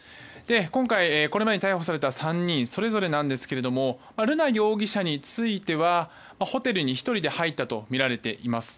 今回、これまでに逮捕された３人それぞれなんですが瑠奈容疑者についてはホテルに１人で入ったとみられています。